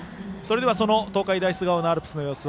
その東海大菅生のアルプスの様子